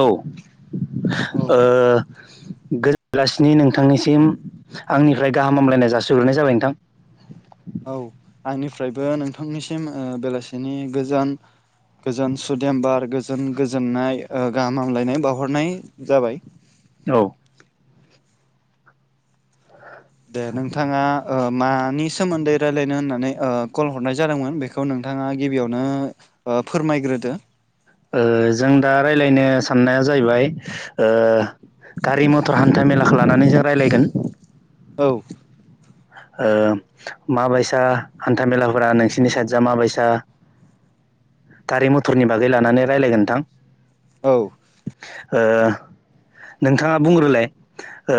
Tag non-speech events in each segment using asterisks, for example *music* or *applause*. औ ओ औ गोजोन बेलासेनि नोंथांनिसिम आंनिफ्राय गाहाम हामलायनाय जासिग्रोनाय जाबाय नोंथां औ आंनिफ्रायबो नोंथांनिसिम ओ बेलासिनि गोजान गोजोन सुदेम बार गोजोन गोजोननाय ओ गाहाम हामलायनाय बावहरनाय जाबाय औ दे नोंथाङा ओ मानि सोमोन्दै रायलायनो होननानै ओ कल हरनाय जादोंमोन बेखौ नोंथाङा गिबियावनो ओ फोरमायग्रोदो ओ जों दा रायलायनो साननाया जाहैबाय ओ गारि मथर हान्था मेलाखौ लानानै जों रायलायगोन औ ओ माबायसा हान्थामेलाफोरा नोंसिनि साइडजों माबायसा गारि मथरनि बागै लानानै रायलायगोन नोंथां औ ओ नोंथाङा बुंग्रोलाय ओ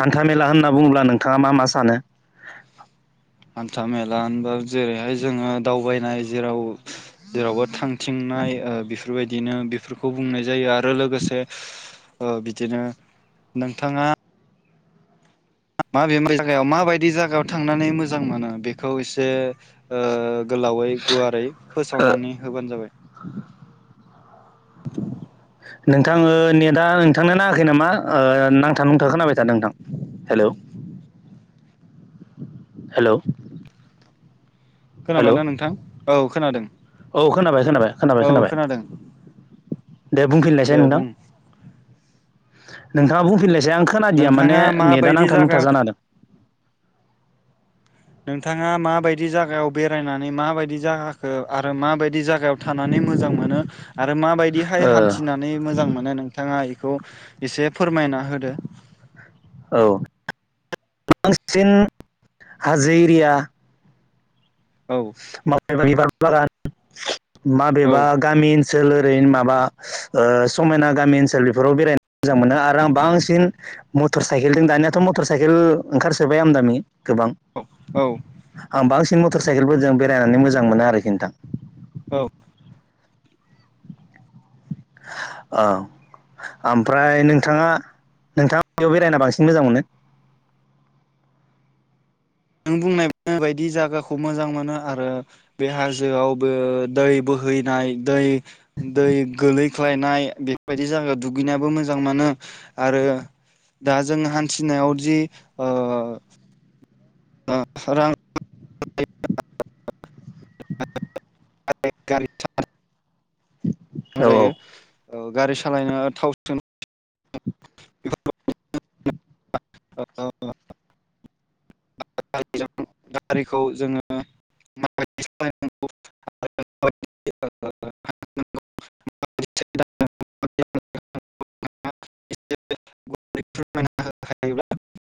हान्था मेला होनना बुङोब्ला नोंथाङा मा मा सानो हान्था मेला होनबा जेरैहाय जोङो दावबायनाय जेराव जेरावबो थांथिंनाय ओ बेफोर बेफोरबायदिनो बेफोरखौ बुंनाय जायो आरो ओ लोगोसे ओ बिदिनो नोंथाङा माबे जायगायाव माबायदि जायागायाव थांनानै मोजां मोनो बेखौ एसे ओ गोलावै गुवारै फोसावनानै होबानो जाबाय *inaudible* नोंथां ओ नेटा नोंथांनो नाङाखै नामा ओ नांथा नुंथा खोनाबाय थादों नोंथां हेल' हेलौ हेलौ खोनाबायना नोंथां औ खोनादों औ खोनाबाय खोनाबाय खोनाबाय औ खोनाबाय खोनादों दे बुंफिनलायसै दे नोंथां बुं नोंथाङा बुंफिनलायसै आं खोनादिया माने नोंथाङा नेटा माबायदि नांथा नुंथा जायगायाव जाना होदों नोंथाङा माबायदि जागायाव बेरायनानै माबायदि जागाखौ आरो माबायदि जागायाव थानानै मो जां मोनो आरो माबायदिहाय ओ हान्थिनानै मोजां मोनो नों बिथाङा बेखौ एसे फोरमायना होदो औ बांसिन हाजो एरिया औ माबेबा बिबार बागान औ माबेबा गामि सोलुरै माबा ओ समायना गामि ओनसोल बेफोराव बेरायनो मोजां मोनो आरो आं बांसिन मटर साइकेलजों दानियाथ' मटर साइकेल ओंखारसोबाय आम दामि गोबां औ आं बांसिन मटर साइकेलफोरजों बेरायनानै मोजां मोनो आरोखि नोंथां औ औ ओमफ्राय नोंथाङा नोंथाङा बेयाव बेरायना बांसिन मोजां मोनो *inaudible* नों बुंनाय बायदि जायागाखौ मोजां मोनो आरो बे हाजोआवबो दै बो हैनाय दै दै गोलैख्लायनाय बेफोरबायदि जायगा दुगैनायाबो मोजां मोनो आरो दा जों हान्थिनायाव जि ओ सोरां *inaudible* मोजां औ औ जायो ओ गारि सालायनो थाव सोनो *inaudible* गारिखौ जोङो माबायदि सालायनांगौ *inaudible* फोरमायना हो हायोब्ला